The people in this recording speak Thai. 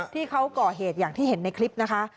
ที่เขาก่อเหตุอย่างที่เห็นในคลิปนะคะ